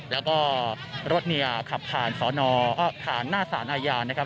แล้วก็รถเนี่ยขับผ่านสอนอผ่านหน้าสารอาญานะครับ